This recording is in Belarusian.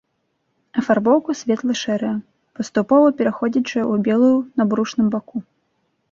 Афарбоўка светла-шэрая, паступова пераходзячая ў белую на брушным баку.